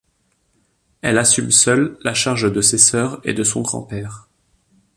Elle assume seule la charge de ses sœurs et de son grand-père.